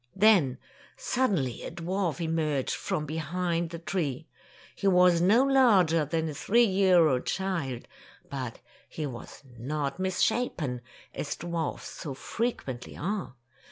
Then suddenly a dwarf emerged from be hind the tree. He was no larger than a three year old child, but he was not mis shapen, as dwarfs so frequently are.